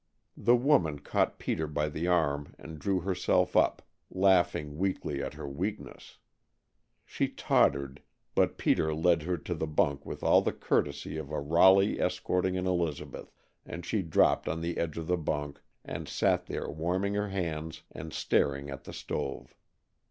The woman caught Peter by the arm and drew herself up, laughing weakly at her weakness. She tottered, but Peter led her to the bunk with all the courtesy of a Raleigh escorting an Elizabeth, and she dropped on the edge of the bunk and sat there warming her hands and staring at the stove.